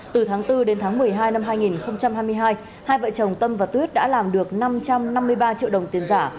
từ tháng bốn đến tháng một mươi hai năm hai nghìn hai mươi hai hai vợ chồng tâm và tuyết đã làm được năm trăm năm mươi ba triệu đồng tiền giả